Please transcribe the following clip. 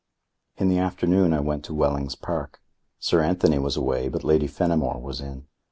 In the afternoon I went to Wellings Park. Sir Anthony was away, but Lady Fenimore was in.